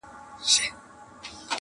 • دا کمال ستا د جمال دی..